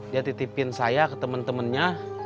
dia titipin saya ke temen temennya